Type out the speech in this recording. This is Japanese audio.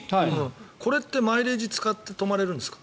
これってマイレージ使って泊まれるんですか？